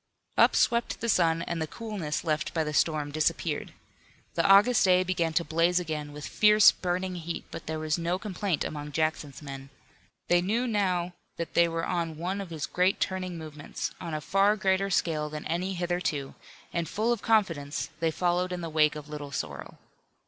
Up swept the sun and the coolness left by the storm disappeared. The August day began to blaze again with fierce burning heat, but there was no complaint among Jackson's men. They knew now that they were on one of his great turning movements, on a far greater scale than any hitherto, and full of confidence, they followed in the wake of Little Sorrel.